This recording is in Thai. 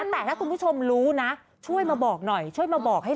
เอาอีกทีเอาอีกทีเอาอีกที